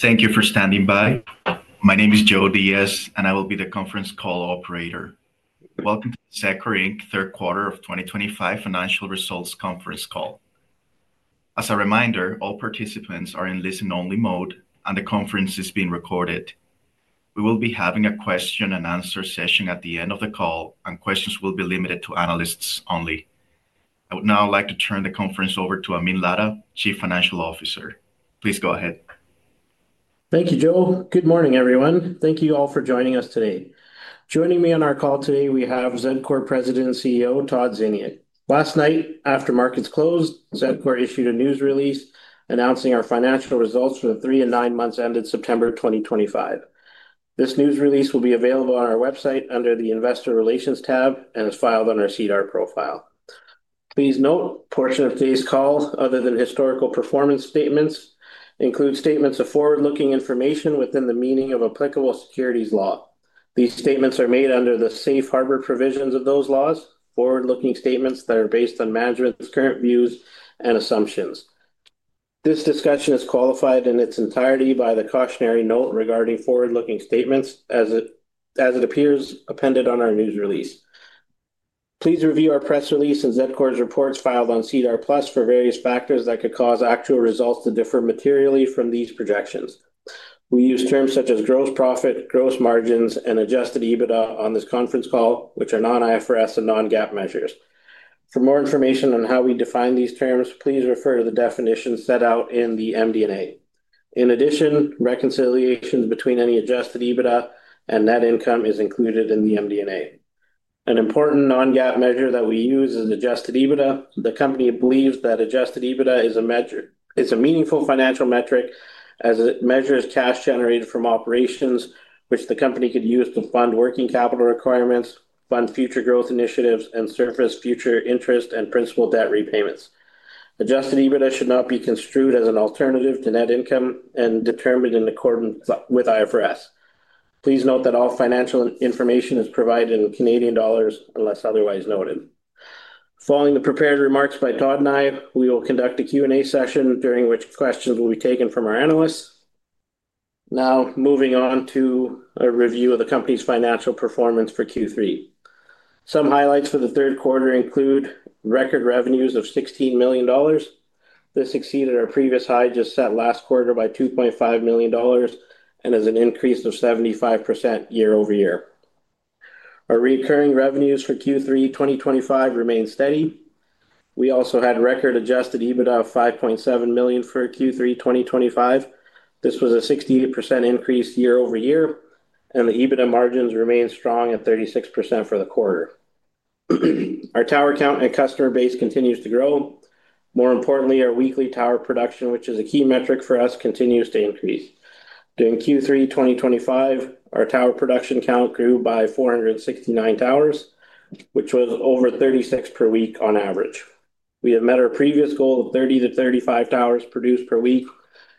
Thank you for standing by. My name is Joe Diaz, and I will be the conference call operator. Welcome to Zedcor Inc Third Quarter of 2025 Financial Results Conference Call. As a reminder, all participants are in listen-only mode, and the conference is being recorded. We will be having a question-and-answer session at the end of the call, and questions will be limited to analysts only. I would now like to turn the conference over to Amin Ladha, Chief Financial Officer. Please go ahead. Thank you, Joe. Good morning, everyone. Thank you all for joining us today. Joining me on our call today, we have Zedcor President and CEO, Todd Ziniuk. Last night, after markets closed, Zedcor issued a news release announcing our financial results for the 3 and 9 months ended September 2025. This news release will be available on our website under the Investor Relations tab and is filed under SEDAR+ Profile. Please note, a portion of today's call, other than historical performance statements, includes statements of forward-looking information within the meaning of applicable securities law. These statements are made under the safe harbor provisions of those laws, forward-looking statements that are based on management's current views and assumptions. This discussion is qualified in its entirety by the cautionary note regarding forward-looking statements, as it appears appended on our news release. Please review our press release and Zedcor's reports filed on SEDAR+ for various factors that could cause actual results to differ materially from these projections. We use terms such as gross profit, gross margins, and adjusted EBITDA on this conference call, which are non-IFRS and non-GAAP measures. For more information on how we define these terms, please refer to the definition set out in the MD&A. In addition, reconciliations between any adjusted EBITDA and net income are included in the MD&A. An important non-GAAP measure that we use is adjusted EBITDA. The company believes that adjusted EBITDA is a meaningful financial metric as it measures cash generated from operations, which the company could use to fund working capital requirements, fund future growth initiatives, and surface future interest and principal debt repayments. Adjusted EBITDA should not be construed as an alternative to net income and determined in accordance with IFRS. Please note that all financial information is provided in Canadian dollars unless otherwise noted. Following the prepared remarks by Todd and I, we will conduct a Q&A session during which questions will be taken from our analysts. Now, moving on to a review of the company's financial performance for Q3. Some highlights for the third quarter include record revenues of CAD 16 million. This exceeded our previous high just set last quarter by 2.5 million dollars and is an increase of 75% year-over-year. Our recurring revenues for Q3 2025 remain steady. We also had record adjusted EBITDA of 5.7 million for Q3 2025. This was a 68% increase year-over-year, and the EBITDA margins remained strong at 36% for the quarter. Our tower count and customer base continues to grow. More importantly, our weekly tower production, which is a key metric for us, continues to increase. During Q3 2025, our tower production count grew by 469 towers, which was over 36 per week on average. We have met our previous goal of 30-35 towers produced per week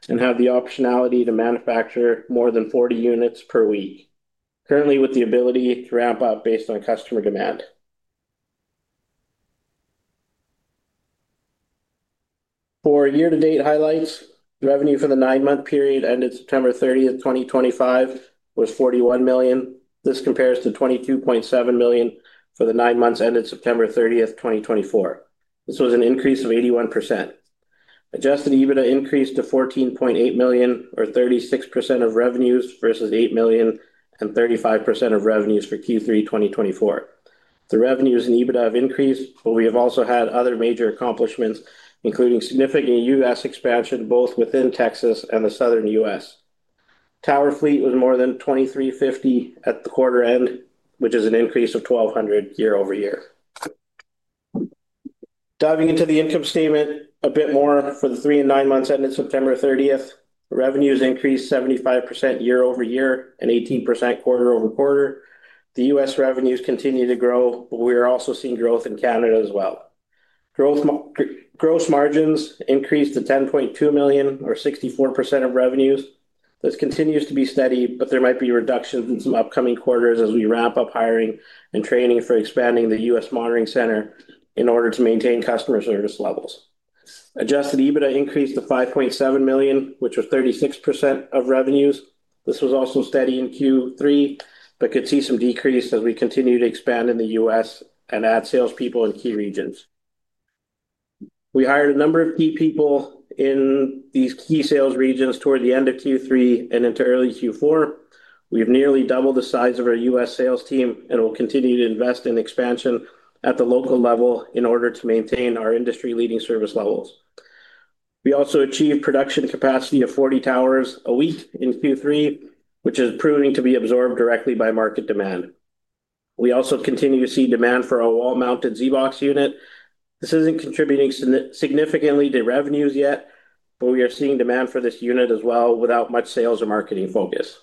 and have the optionality to manufacture more than 40 units per week, currently with the ability to ramp up based on customer demand. For year-to-date highlights, revenue for the 9-month period ended September 30th, 2025, was 41 million. This compares to 22.7 million for the 9 months ended September 30th, 2024. This was an increase of 81%. Adjusted EBITDA increased to 14.8 million, or 36% of revenues versus 8 million and 35% of revenues for Q3 2024. The revenues and EBITDA have increased, but we have also had other major accomplishments, including significant U.S. expansion both within Texas and the Southern U.S. Tower fleet was more than 2,350 at the quarter end, which is an increase of 1,200 year-over-year. Diving into the income statement a bit more for the three and nine months ended September 30, revenues increased 75% year-over-year and 18% quarter-over-quarter. The U.S. revenues continue to grow, but we are also seeing growth in Canada as well. Gross margins increased to 10.2 million, or 64% of revenues. This continues to be steady, but there might be reductions in some upcoming quarters as we ramp up hiring and training for expanding the U.S. Monitoring Center in order to maintain customer service levels. Adjusted EBITDA increased to 5.7 million, which was 36% of revenues. This was also steady in Q3, but could see some decrease as we continue to expand in the U.S. and add salespeople in key regions. We hired a number of key people in these key sales regions toward the end of Q3 and into early Q4. We have nearly doubled the size of our U.S. sales team and will continue to invest in expansion at the local level in order to maintain our industry-leading service levels. We also achieved production capacity of 40 towers a week in Q3, which is proving to be absorbed directly by market demand. We also continue to see demand for our wall-mounted ZBox unit. This is not contributing significantly to revenues yet, but we are seeing demand for this unit as well without much sales or marketing focus.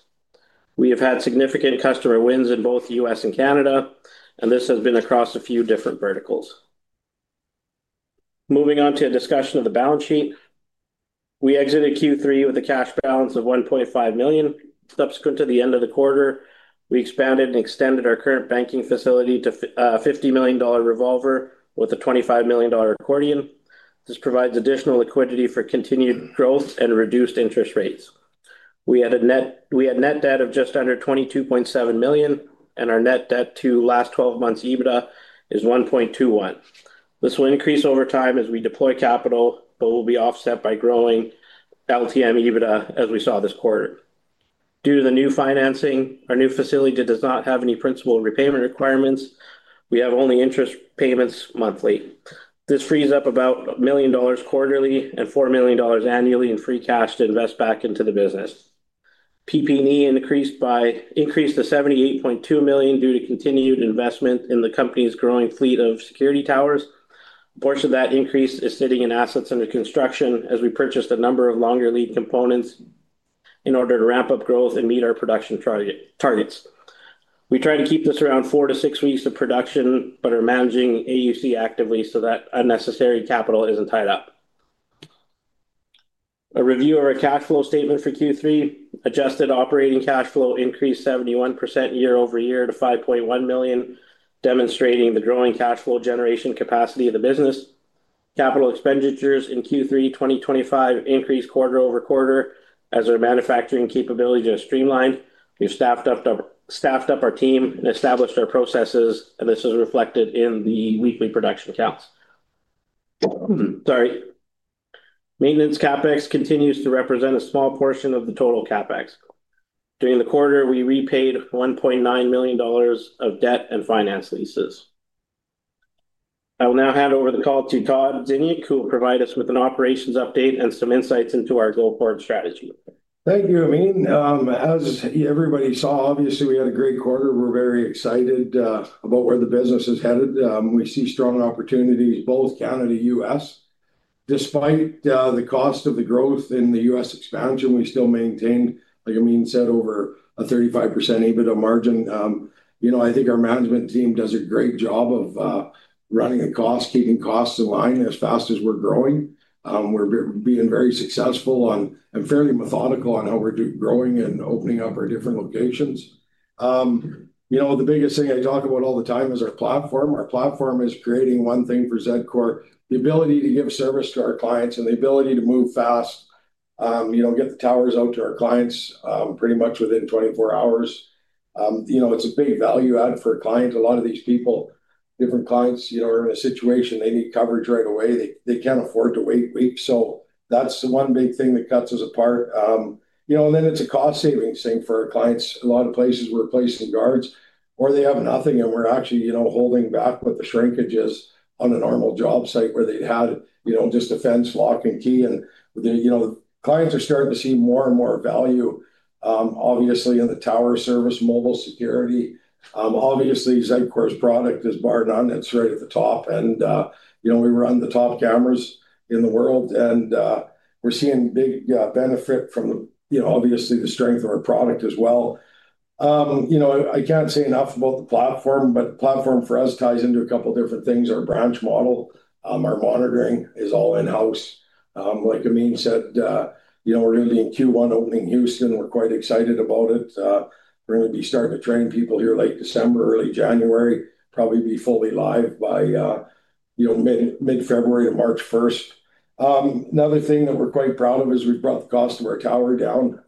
We have had significant customer wins in both the U.S. and Canada, and this has been across a few different verticals. Moving on to a discussion of the balance sheet, we exited Q3 with a cash balance of 1.5 million. Subsequent to the end of the quarter, we expanded and extended our current banking facility to a 50 million dollar revolver with a 25 million dollar accordion. This provides additional liquidity for continued growth and reduced interest rates. We had a net debt of just under 22.7 million, and our net debt-to-last twelve months EBITDA is 1.21. This will increase over time as we deploy capital, but will be offset by growing LTM EBITDA as we saw this quarter. Due to the new financing, our new facility does not have any principal repayment requirements. We have only interest payments monthly. This frees up about 1 million dollars quarterly and 4 million dollars annually in free cash to invest back into the business. PP&E increased to 78.2 million due to continued investment in the company's growing fleet of security towers. A portion of that increase is sitting in assets under construction as we purchased a number of longer lead components in order to ramp up growth and meet our production targets. We try to keep this around 4-6 weeks of production, but are managing AUC actively so that unnecessary capital isn't tied up. A review of our cash flow statement for Q3, adjusted operating cash flow increased 71% year-over-year to 5.1 million, demonstrating the growing cash flow generation capacity of the business. Capital expenditures in Q3 2025 increased quarter-over-quarter as our manufacturing capabilities are streamlined. We've staffed up our team and established our processes, and this is reflected in the weekly production counts. Sorry. Maintenance CapEx continues to represent a small portion of the total CapEx. During the quarter, we repaid 1.9 million dollars of debt and finance leases. I will now hand over the call to Todd Ziniuk, who will provide us with an operations update and some insights into our goal for our strategy. Thank you, Amin. As everybody saw, obviously, we had a great quarter. We're very excited about where the business is headed. We see strong opportunities both Canada and the U.S. Despite the cost of the growth in the U.S. expansion, we still maintained, like Amin said, over a 35% EBITDA margin. You know, I think our management team does a great job of running the cost, keeping costs in line as fast as we're growing. We're being very successful and fairly methodical on how we're growing and opening up our different locations. You know, the biggest thing I talk about all the time is our platform. Our platform is creating one thing for Zedcor, the ability to give service to our clients and the ability to move fast, you know, get the towers out to our clients pretty much within 24 hours. You know, it's a big value-add for a client. A lot of these people, different clients, you know, are in a situation they need coverage right away. They can't afford to wait weeks. That's the one big thing that cuts us apart. You know, and then it's a cost-saving thing for our clients. A lot of places we're placing guards or they have nothing, and we're actually, you know, holding back what the shrinkage is on a normal job site where they had, you know, just a fence, lock, and key. You know, clients are starting to see more and more value, obviously, in the tower service, mobile security. Obviously, Zedcor's product is bar none. It's right at the top. You know, we run the top cameras in the world, and we're seeing big benefit from, you know, obviously, the strength of our product as well. You know, I can't say enough about the platform, but the platform for us ties into a couple of different things. Our branch model, our monitoring is all in-house. Like Amin said, you know, we're going to be in Q1 opening Houston. We're quite excited about it. We're going to be starting to train people here late December, early January, probably be fully live by, you know, mid-February to March 1st. Another thing that we're quite proud of is we've brought the cost of our tower down,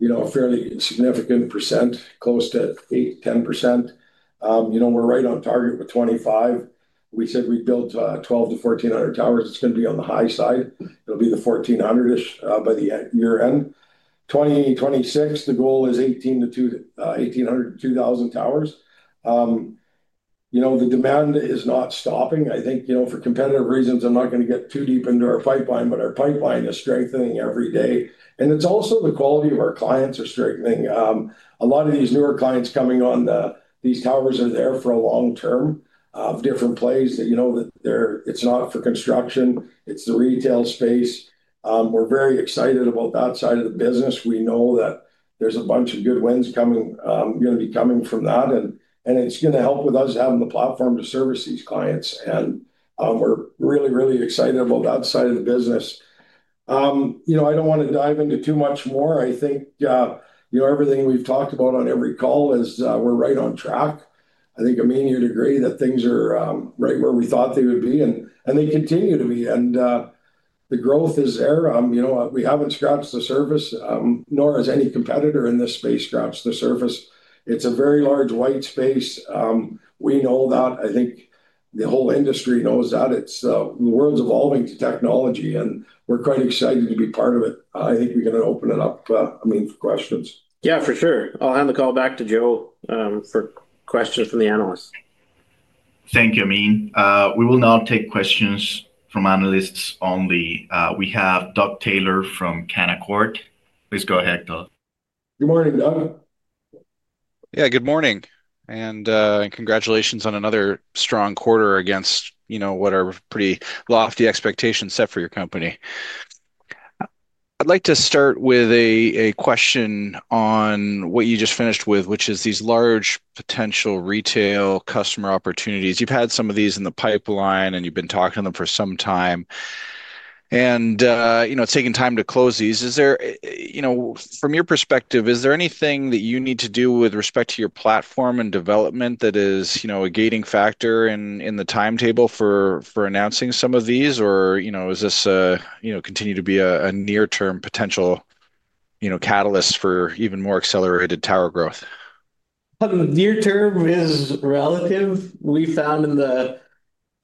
you know, a fairly significant percent, close to 8%-10%. You know, we're right on target with 2025. We said we'd build 1,200-1,400 towers. It's going to be on the high side. It'll be the 1,400-ish by the year end. 2026, the goal is 1,800-2,000 towers. You know, the demand is not stopping. I think, you know, for competitive reasons, I'm not going to get too deep into our pipeline, but our pipeline is strengthening every day. And it's also the quality of our clients are strengthening. A lot of these newer clients coming on, these towers are there for a long term of different plays that, you know, that they're it's not for construction. It's the retail space. We're very excited about that side of the business. We know that there's a bunch of good wins coming, going to be coming from that. And it's going to help with us having the platform to service these clients. And we're really, really excited about that side of the business. You know, I don't want to dive into too much more. I think, you know, everything we've talked about on every call is we're right on track. I think, Amin, you'd agree that things are right where we thought they would be, and they continue to be. The growth is there. You know, we haven't scratched the surface, nor has any competitor in this space scratched the surface. It's a very large white space. We know that. I think the whole industry knows that. It's the world's evolving technology, and we're quite excited to be part of it. I think we're going to open it up, Amin, for questions. Yeah, for sure. I'll hand the call back to Joe for questions from the analysts. Thank you, Amin. We will now take questions from analysts only. We have Doug Taylor from Canaccord. Please go ahead, Doug. Good morning, Doug. Yeah, good morning. Congratulations on another strong quarter against, you know, what are pretty lofty expectations set for your company. I'd like to start with a question on what you just finished with, which is these large potential retail customer opportunities. You've had some of these in the pipeline, and you've been talking to them for some time. You know, it's taken time to close these. Is there, you know, from your perspective, is there anything that you need to do with respect to your platform and development that is, you know, a gating factor in the timetable for announcing some of these? You know, is this a, you know, continue to be a near-term potential, you know, catalyst for even more accelerated tower growth? Near-term is relative. We found in the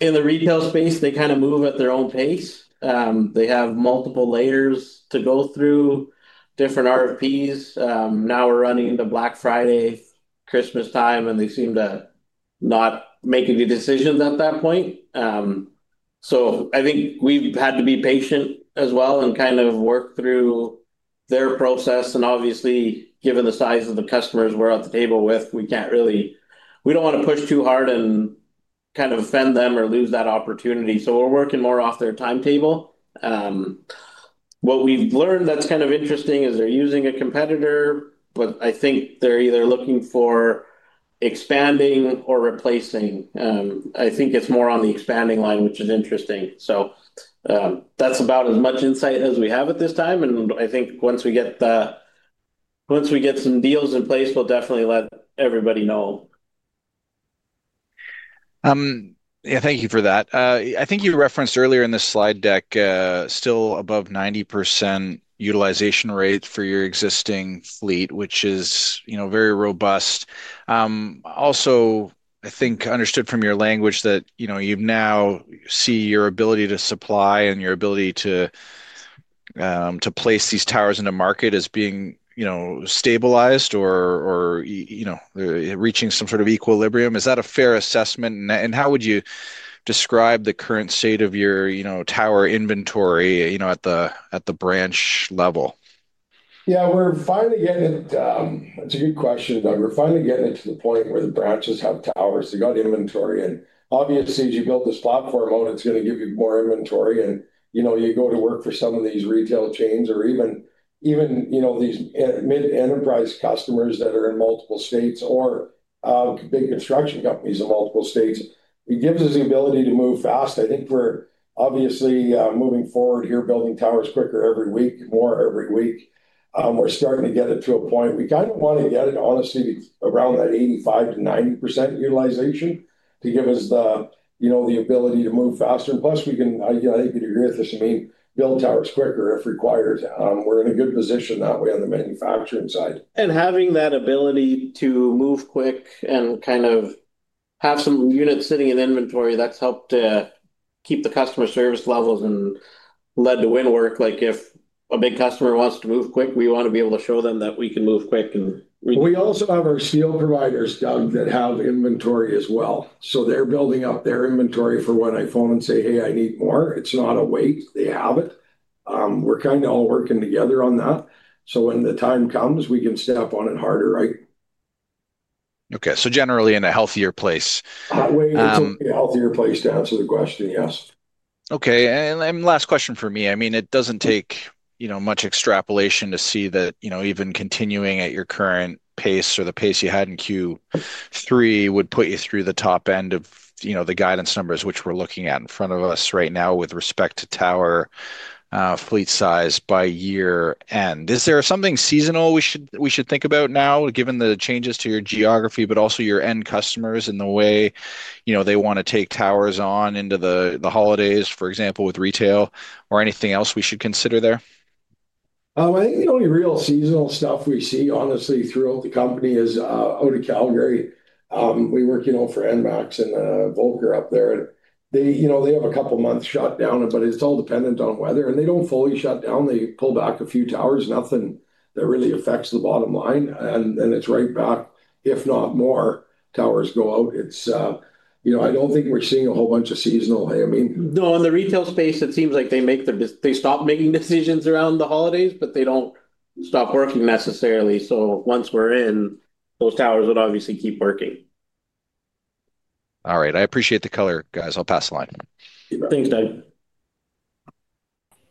retail space, they kind of move at their own pace. They have multiple layers to go through, different RFPs. Now we're running into Black Friday, Christmas time, and they seem to not make any decisions at that point. I think we've had to be patient as well and kind of work through their process. Obviously, given the size of the customers we're at the table with, we can't really, we don't want to push too hard and kind of offend them or lose that opportunity. We're working more off their timetable. What we've learned that's kind of interesting is they're using a competitor, but I think they're either looking for expanding or replacing. I think it's more on the expanding line, which is interesting. That's about as much insight as we have at this time. I think once we get some deals in place, we'll definitely let everybody know. Yeah, thank you for that. I think you referenced earlier in this slide deck still above 90% utilization rate for your existing fleet, which is, you know, very robust. Also, I think understood from your language that, you know, you now see your ability to supply and your ability to place these towers into market as being, you know, stabilized or, you know, reaching some sort of equilibrium. Is that a fair assessment? How would you describe the current state of your, you know, tower inventory, you know, at the branch level? Yeah, we're finally getting—it's a good question, Doug. We're finally getting to the point where the branches have towers. They've got inventory. Obviously, as you build this platform out, it's going to give you more inventory. You know, you go to work for some of these retail chains or even, you know, these mid-enterprise customers that are in multiple states or big construction companies in multiple states. It gives us the ability to move fast. I think we're obviously moving forward here, building towers quicker every week, more every week. We're starting to get it to a point. We kind of want to get it, honestly, around that 85%-90% utilization to give us the, you know, the ability to move faster. Plus, we can—I think you'd agree with this, Amin—build towers quicker if required. We're in a good position that way on the manufacturing side. Having that ability to move quick and kind of have some units sitting in inventory, that's helped to keep the customer service levels and led to win work. Like if a big customer wants to move quick, we want to be able to show them that we can move quick. We also have our steel providers, Doug, that have inventory as well. They are building up their inventory for when I phone and say, "Hey, I need more." It is not a wait. They have it. We are kind of all working together on that. When the time comes, we can step on it harder, right? Okay. So generally in a healthier place. That way it's a healthier place to answer the question, yes. Okay. Last question for me. I mean, it doesn't take, you know, much extrapolation to see that, you know, even continuing at your current pace or the pace you had in Q3 would put you through the top end of, you know, the guidance numbers which we're looking at in front of us right now with respect to tower fleet size by year end. Is there something seasonal we should think about now, given the changes to your geography, but also your end customers and the way, you know, they want to take towers on into the holidays, for example, with retail or anything else we should consider there? I think the only real seasonal stuff we see, honestly, throughout the company is out of Calgary. We work, you know, for ENMAX and Volker up there. They, you know, they have a couple of months shut down, but it's all dependent on weather. They don't fully shut down. They pull back a few towers. Nothing that really affects the bottom line. Then it's right back, if not more towers go out. It's, you know, I don't think we're seeing a whole bunch of seasonal, Amin. No, in the retail space, it seems like they stop making decisions around the holidays, but they do not stop working necessarily. Once we are in, those towers would obviously keep working. All right. I appreciate the color, guys. I'll pass the line. Thanks, Doug.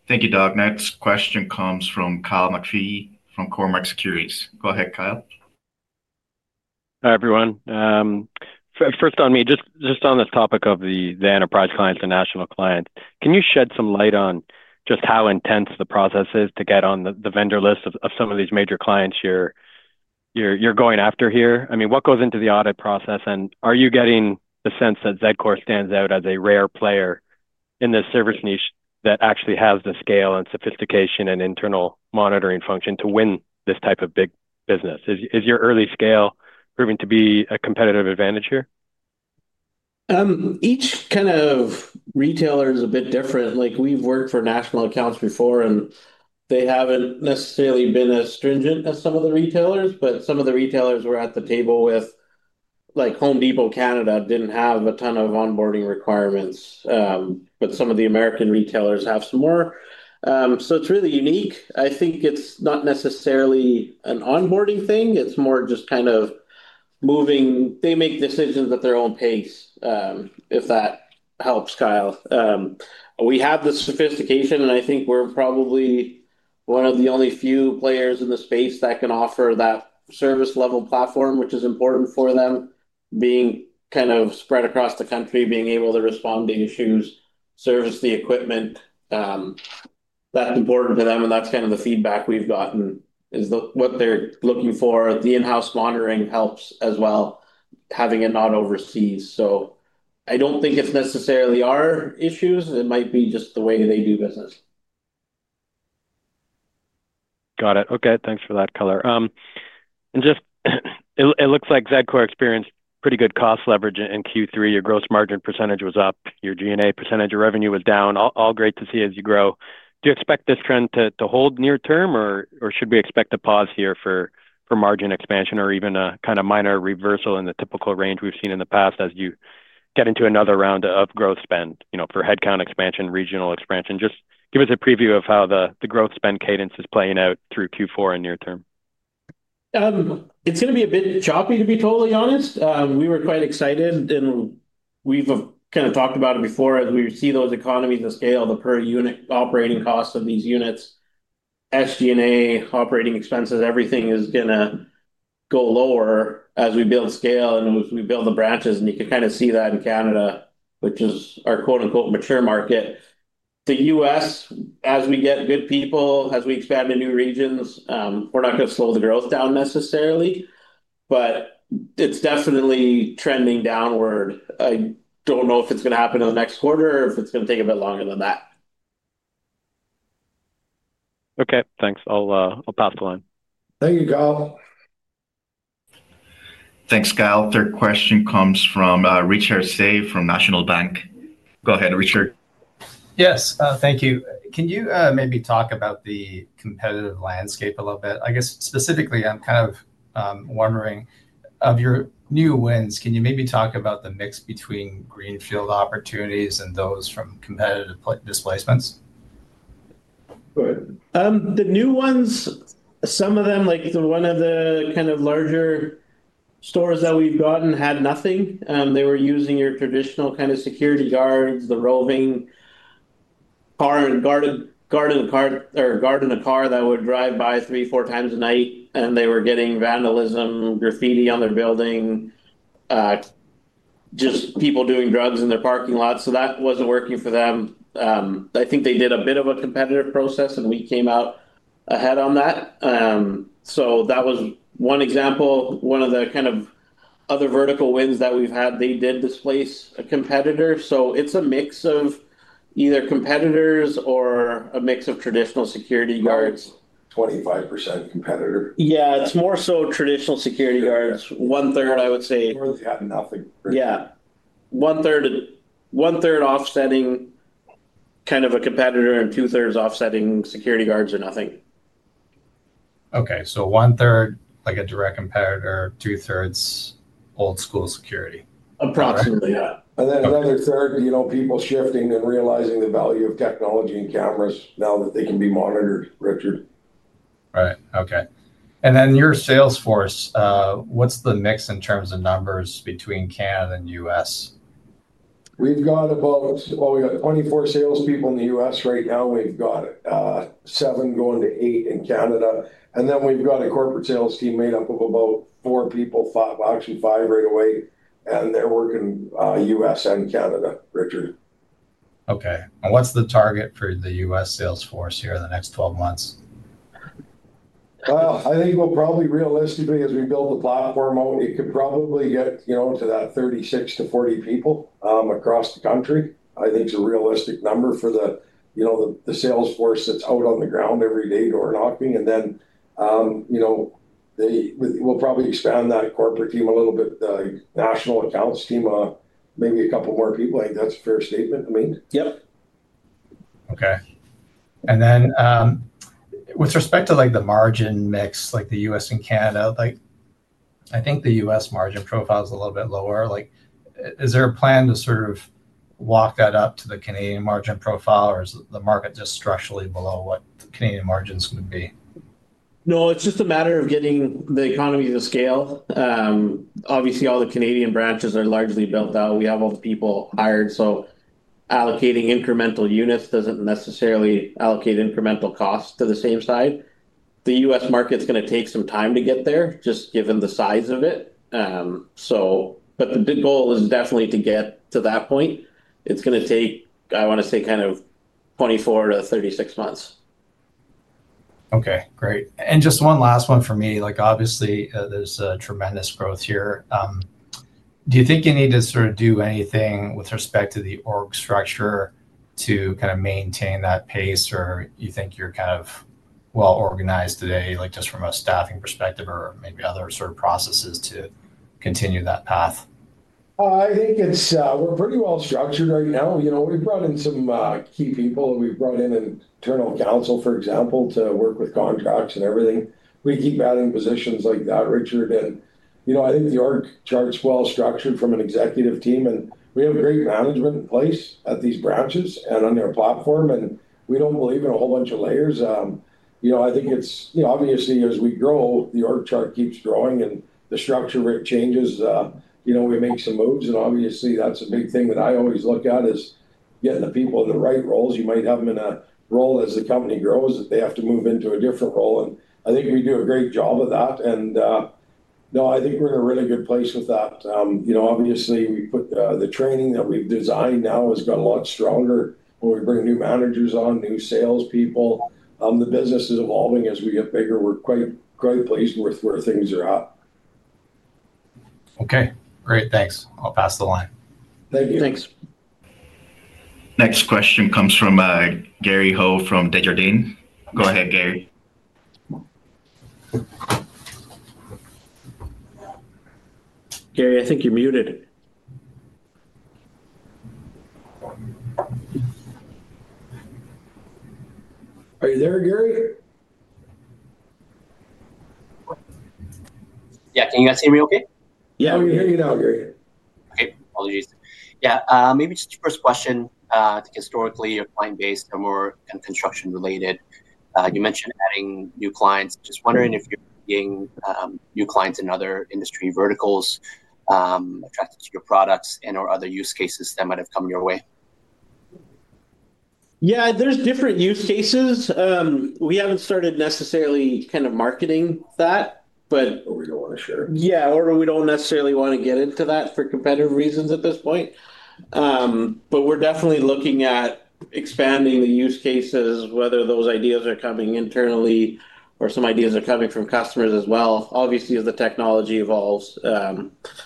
Thank you, Doug. Next question comes from Kyle McPhee from Cormark Securities. Go ahead, Kyle. Hi, everyone. First on me, just on this topic of the enterprise clients, the national clients, can you shed some light on just how intense the process is to get on the vendor list of some of these major clients you're going after here? I mean, what goes into the audit process? And are you getting the sense that Zedcor stands out as a rare player in this service niche that actually has the scale and sophistication and internal monitoring function to win this type of big business? Is your early scale proving to be a competitive advantage here? Each kind of retailer is a bit different. Like we've worked for national accounts before, and they haven't necessarily been as stringent as some of the retailers. Some of the retailers we're at the table with, like Home Depot Canada, didn't have a ton of onboarding requirements. Some of the American retailers have some more. It is really unique. I think it's not necessarily an onboarding thing. It's more just kind of moving, they make decisions at their own pace, if that helps, Kyle. We have the sophistication, and I think we're probably one of the only few players in the space that can offer that service-level platform, which is important for them, being kind of spread across the country, being able to respond to issues, service the equipment. That's important to them. That's kind of the feedback we've gotten is what they're looking for. The in-house monitoring helps as well, having it not overseas. I do not think it is necessarily our issues. It might be just the way they do business. Got it. Okay. Thanks for that, Color. It looks like Zedcor experienced pretty good cost leverage in Q3. Your gross margin percentage was up. Your G&A percentage of revenue was down. All great to see as you grow. Do you expect this trend to hold near term, or should we expect a pause here for margin expansion or even a kind of minor reversal in the typical range we've seen in the past as you get into another round of growth spend, you know, for headcount expansion, regional expansion? Just give us a preview of how the growth spend cadence is playing out through Q4 and near term. It's going to be a bit choppy, to be totally honest. We were quite excited, and we've kind of talked about it before. As we see those economies of scale, the per-unit operating costs of these units, SG&A operating expenses, everything is going to go lower as we build scale and as we build the branches. You can kind of see that in Canada, which is our "mature market." The U.S., as we get good people, as we expand to new regions, we're not going to slow the growth down necessarily. It is definitely trending downward. I don't know if it's going to happen in the next quarter or if it's going to take a bit longer than that. Okay. Thanks. I'll pass the line. Thank you, Kyle. Thanks, Kyle. Third question comes from Richard Tse from National Bank. Go ahead, Richard. Yes. Thank you. Can you maybe talk about the competitive landscape a little bit? I guess specifically, I'm kind of wondering, of your new wins, can you maybe talk about the mix between greenfield opportunities and those from competitive displacements? The new ones, some of them, like the one of the kind of larger stores that we've gotten, had nothing. They were using your traditional kind of security guards, the roving, guarding a car that would drive by three, four times a night. They were getting vandalism, graffiti on their building, just people doing drugs in their parking lot. That was not working for them. I think they did a bit of a competitive process, and we came out ahead on that. That was one example. One of the kind of other vertical wins that we've had, they did displace a competitor. It is a mix of either competitors or a mix of traditional security guards. Twenty-five percent competitor. Yeah. It's more so traditional security guards. One-third, I would say. More than they had nothing. Yeah. One-third offsetting kind of a competitor and 2/3 offsetting security guards or nothing. Okay. So 1/3, like a direct competitor, 2/3 old-school security. Approximately, yeah. Another third, you know, people shifting and realizing the value of technology and cameras now that they can be monitored, Richard. Right. Okay. And then your sales force, what's the mix in terms of numbers between Canada and U.S.? We've got about, we got 24 salespeople in the U.S. right now. We've got 7 going to 8 in Canada. And then we've got a corporate sales team made up of about 4 people, 5, actually 5 right away. And they're working U.S. and Canada, Richard. Okay. What's the target for the U.S. sales force here in the next 12 months? I think we'll probably realistically, as we build the platform out, it could probably get, you know, to that 36-40 people across the country. I think it's a realistic number for the, you know, the sales force that's out on the ground every day door knocking. And then, you know, they will probably expand that corporate team a little bit, the national accounts team, maybe a couple more people. I think that's a fair statement, Amin. Yep. Okay. With respect to like the margin mix, like the U.S. and Canada, like I think the U.S. margin profile is a little bit lower. Like is there a plan to sort of walk that up to the Canadian margin profile, or is the market just structurally below what the Canadian margins would be? No, it's just a matter of getting the economy to scale. Obviously, all the Canadian branches are largely built out. We have all the people hired. Allocating incremental units doesn't necessarily allocate incremental costs to the same side. The U.S. market's going to take some time to get there, just given the size of it. The big goal is definitely to get to that point. It's going to take, I want to say, kind of 24-36 months. Okay. Great. Just one last one for me. Like obviously, there's tremendous growth here. Do you think you need to sort of do anything with respect to the org structure to kind of maintain that pace, or you think you're kind of well organized today, like just from a staffing perspective or maybe other sort of processes to continue that path? I think we're pretty well structured right now. You know, we've brought in some key people. We've brought in an internal counsel, for example, to work with contracts and everything. We keep adding positions like that, Richard. You know, I think the org chart's well structured from an executive team. We have great management in place at these branches and on their platform. We do not believe in a whole bunch of layers. You know, obviously, as we grow, the org chart keeps growing and the structure changes. We make some moves. Obviously, that's a big thing that I always look at is getting the people in the right roles. You might have them in a role as the company grows that they have to move into a different role. I think we do a great job of that. No, I think we're in a really good place with that. You know, obviously, we put the training that we've designed now has got a lot stronger when we bring new managers on, new salespeople. The business is evolving as we get bigger. We're quite, quite pleased with where things are at. Okay. Great. Thanks. I'll pass the line. Thank you. Thanks. Next question comes from Gary Ho from Desjardins. Go ahead, Gary. Gary, I think you're muted. Yeah. Can you guys hear me okay? Yeah. We hear you now, Gary. Okay. Apologies. Yeah. Maybe just your first question. I think historically, your client base are more kind of construction-related. You mentioned adding new clients. Just wondering if you're seeing new clients in other industry verticals attracted to your products and/or other use cases that might have come your way. Yeah. There's different use cases. We haven't started necessarily kind of marketing that, but. Or we don't want to share. Yeah. We do not necessarily want to get into that for competitive reasons at this point. We are definitely looking at expanding the use cases, whether those ideas are coming internally or some ideas are coming from customers as well. Obviously, as the technology evolves, there are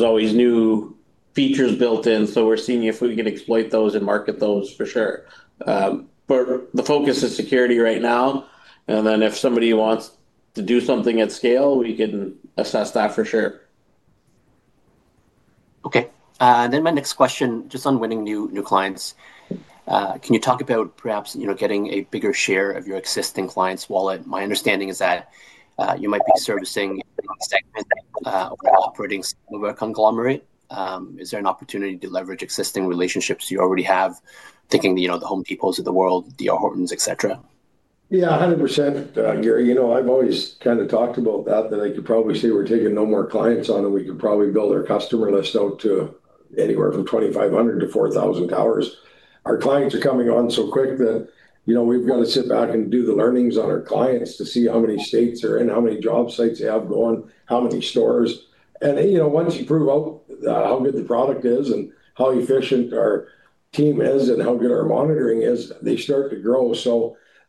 always new features built in. We are seeing if we can exploit those and market those for sure. The focus is security right now. If somebody wants to do something at scale, we can assess that for sure. Okay. My next question, just on winning new clients. Can you talk about perhaps, you know, getting a bigger share of your existing clients' wallet? My understanding is that you might be servicing, operating some of a conglomerate. Is there an opportunity to leverage existing relationships you already have, thinking, you know, the Home Depots of the world, D.R. Hortons, etc.? Yeah. 100%, Gary. You know, I've always kind of talked about that, that I could probably say we're taking no more clients on, and we could probably build our customer list out to anywhere from 2,500-4,000 towers. Our clients are coming on so quick that, you know, we've got to sit back and do the learnings on our clients to see how many states they're in, how many job sites they have going, how many stores. You know, once you prove out how good the product is and how efficient our team is and how good our monitoring is, they start to grow.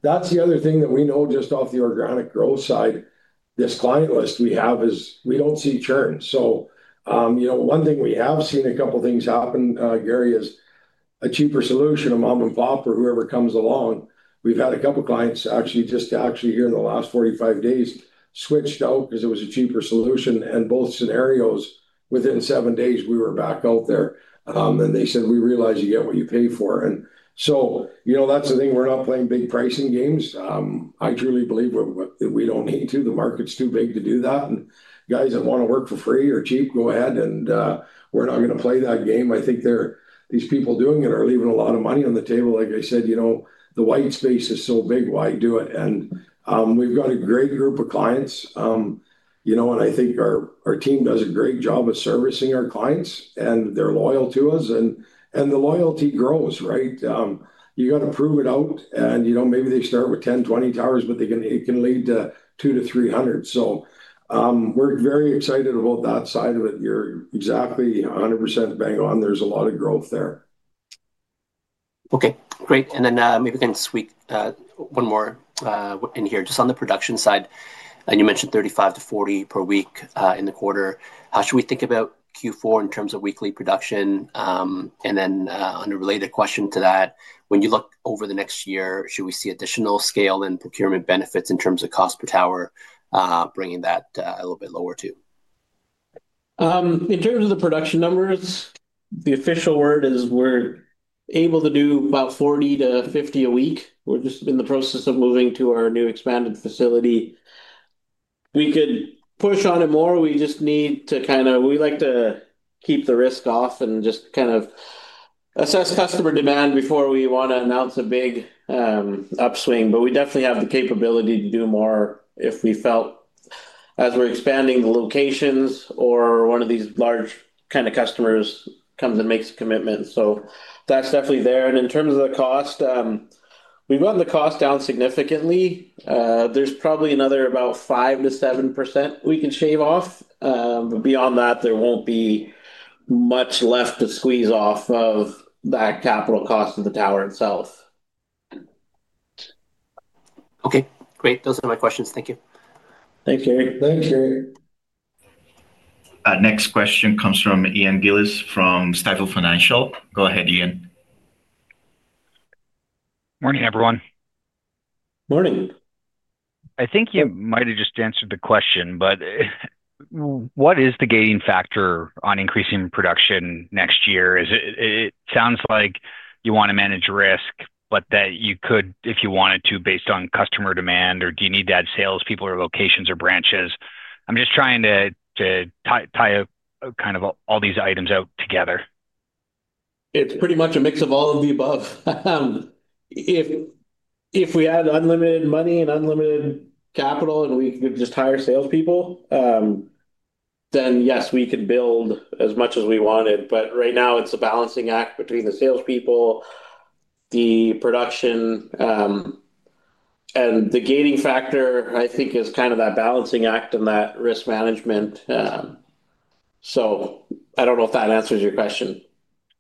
That's the other thing that we know just off the organic growth side. This client list we have is we don't see churn. You know, one thing we have seen, a couple of things happen, Gary, is a cheaper solution to mom and pop or whoever comes along. We have had a couple of clients actually just actually here in the last 45 days switch out because it was a cheaper solution. In both scenarios, within seven days, we were back out there. They said, "We realize you get what you pay for." You know, that is the thing. We are not playing big pricing games. I truly believe that we do not need to. The market is too big to do that. Guys that want to work for free or cheap, go ahead. We are not going to play that game. I think these people doing it are leaving a lot of money on the table. Like I said, you know, the white space is so big. Why do it? We have a great group of clients, you know, and I think our team does a great job of servicing our clients. They are loyal to us, and the loyalty grows, right? You have to prove it out. You know, maybe they start with 10-20 towers, but it can lead to 200-300. We are very excited about that side of it. You are exactly 100% bang on. There is a lot of growth there. Okay. Great. Maybe we can sweep one more in here. Just on the production side, you mentioned 35-40 per week in the quarter. How should we think about Q4 in terms of weekly production? On a related question to that, when you look over the next year, should we see additional scale and procurement benefits in terms of cost per tower bringing that a little bit lower too? In terms of the production numbers, the official word is we're able to do about 40-50 a week. We're just in the process of moving to our new expanded facility. We could push on it more. We just need to kind of, we like to keep the risk off and just kind of assess customer demand before we want to announce a big upswing. We definitely have the capability to do more if we felt, as we're expanding the locations or one of these large kind of customers comes and makes a commitment. That's definitely there. In terms of the cost, we've run the cost down significantly. There's probably another about 5%-7% we can shave off. Beyond that, there won't be much left to squeeze off of that capital cost of the tower itself. Okay. Great. Those are my questions. Thank you. Thanks, Gary. Thanks, Gary. Next question comes from Ian Gillies from Stifel Financial. Go ahead, Ian. Morning, everyone. Morning. I think you might have just answered the question, but what is the gating factor on increasing production next year? It sounds like you want to manage risk, but that you could, if you wanted to, based on customer demand, or do you need to add salespeople or locations or branches? I'm just trying to tie kind of all these items out together. It's pretty much a mix of all of the above. If we had unlimited money and unlimited capital and we could just hire salespeople, then yes, we could build as much as we wanted. Right now, it's a balancing act between the salespeople, the production, and the gating factor, I think, is kind of that balancing act and that risk management. I don't know if that answers your question.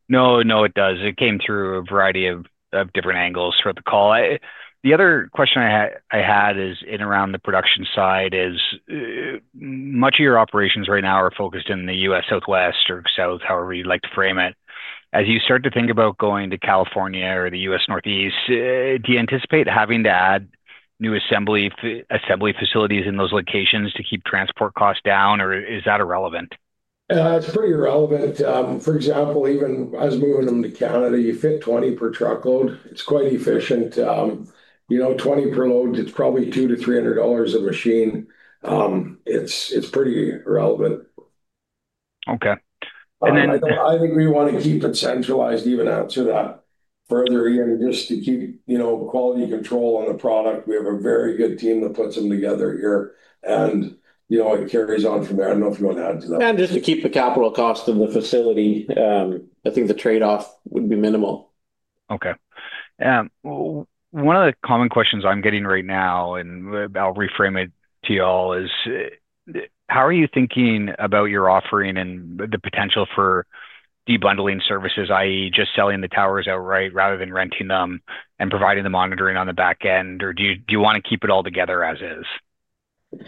No, no, it does. It came through a variety of different angles throughout the call. The other question I had is in around the production side is much of your operations right now are focused in the U.S. Southwest or South, however you'd like to frame it. As you start to think about going to California or the U.S. Northeast, do you anticipate having to add new assembly facilities in those locations to keep transport costs down, or is that irrelevant? It's pretty irrelevant. For example, even as moving them to Canada, you fit 20 per truckload. It's quite efficient. You know, 20 per load, it's probably 200-300 dollars a machine. It's pretty irrelevant. Okay. And then. I think we want to keep it centralized even after that. Further, Ian, just to keep, you know, quality control on the product. We have a very good team that puts them together here. You know, it carries on from there. I do not know if you want to add to that. Just to keep the capital cost of the facility, I think the trade-off would be minimal. Okay. One of the common questions I'm getting right now, and I'll reframe it to you all, is how are you thinking about your offering and the potential for debundling services, i.e., just selling the towers outright rather than renting them and providing the monitoring on the back end? Or do you want to keep it all together as is?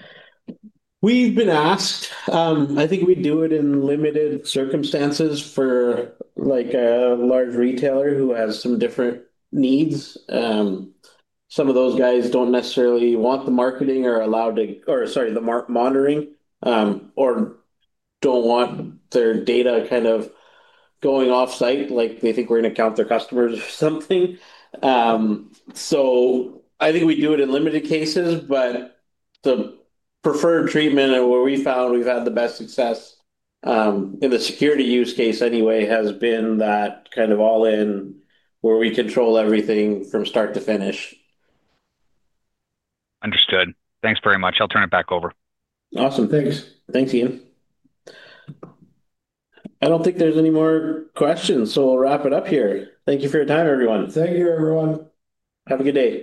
We've been asked. I think we do it in limited circumstances for like a large retailer who has some different needs. Some of those guys don't necessarily want the marketing or are allowed to, or sorry, the monitoring or don't want their data kind of going off-site. Like they think we're going to count their customers or something. I think we do it in limited cases, but the preferred treatment and where we found we've had the best success in the security use case anyway has been that kind of all-in where we control everything from start to finish. Understood. Thanks very much. I'll turn it back over. Awesome. Thanks. Thanks, Ian. I do not think there are any more questions. So we will wrap it up here. Thank you for your time, everyone. Thank you, everyone. Have a good day.